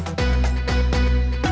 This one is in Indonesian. saya juga ngantuk